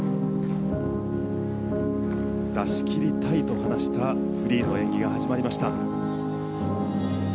出し切りたいと話したフリーの演技が始まりました。